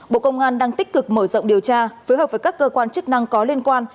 bộ công an đang tích cực mở rộng điều tra phối hợp với các cơ quan chức năng có liên quan